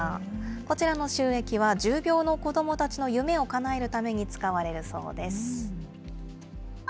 こちらの収益は重病の子どもたちの夢をかなえるために使われるそうです。